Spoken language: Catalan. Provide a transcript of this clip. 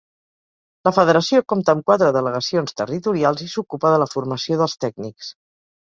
La federació compta amb quatre delegacions territorials i s'ocupa de la formació dels tècnics.